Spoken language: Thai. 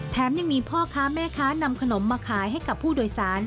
ยังมีพ่อค้าแม่ค้านำขนมมาขายให้กับผู้โดยสาร